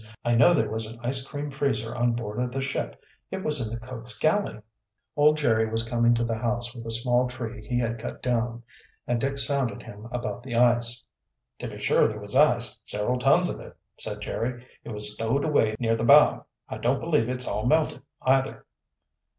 "I know there was an ice cream freezer on board of the ship. It was in the cook's galley." Old Jerry was coming to the house with a small tree he had cut down, and Dick sounded him about the ice. "To be sure there was ice, several tons of it," said Jerry. "It was stowed away near the bow. I don't believe it's all melted, either."